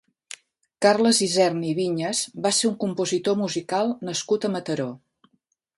Carles Isern i Vinyas va ser un compositor musical nascut a Mataró.